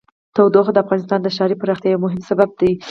تودوخه د افغانستان د ښاري پراختیا یو مهم سبب دی.